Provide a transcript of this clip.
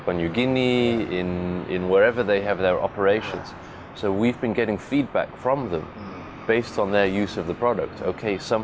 pengganti yang kami miliki sekarang adalah dengan permintaan dari kopassus